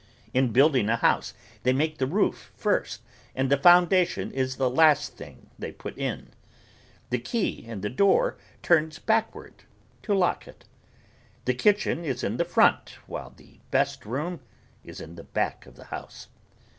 In building a house they make the roof first and the foundation is the last thing they put in. The key in the door turns backward to lock it. The kitchen is in the front while the best room is in the back of the house.